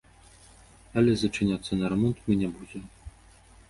Але зачыняцца на рамонт мы не будзем.